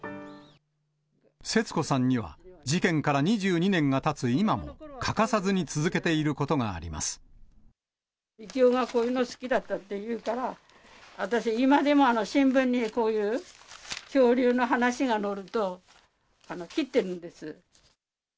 節子さんには事件から２２年がたつ今も、欠かさずに続けているこみきおがこういうの好きだったっていうから、私は今でも新聞にこういう恐竜の話が載ると、切っているんです。